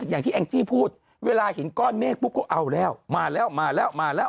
อย่างที่แองจี้พูดเวลาเห็นก้อนเมฆปุ๊บก็เอาแล้วมาแล้วมาแล้วมาแล้ว